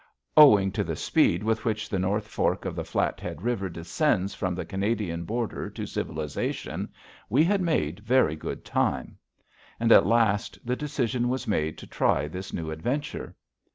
Owing to the speed with which the North Fork of the Flathead River descends from the Canadian border to civilization, we had made very good time. And, at last, the decision was made to try this new adventure.